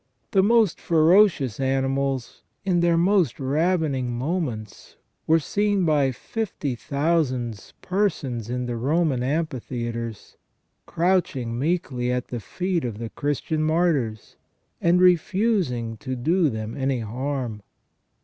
The most ferocious animals in their most ravening moments were seen by fifty thousands persons in the Roman amphitheatres, crouching meekly at the feet of the Christian martyrs, and refusing to do them any harm.